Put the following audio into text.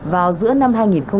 vào giữa năm hai nghìn hai mươi